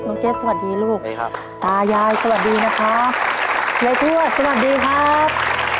น้องเจ็ดสวัสดีลูกตายายสวัสดีนะคะและพวกสวัสดีครับ